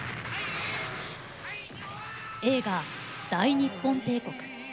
映画「大日本帝国」。